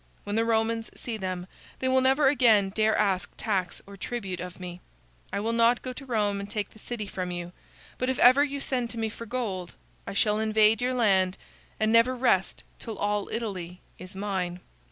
When the Romans see them they will never again dare ask tax or tribute of me. I will not go to Rome and take the city from you, but if ever you send to me for gold, I shall invade your land and never rest till all Italy is mine."